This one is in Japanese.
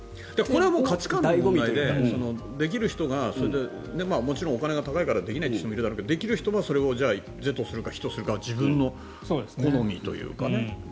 これは価値観の問題でできる人がもちろんお金が高いからできないって人もいるだろうけどできる人はそれを是とするか非とするかは自分の好みというか。